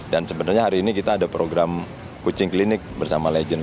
dan sebenarnya hari ini kita ada program coaching clinic bersama legend legend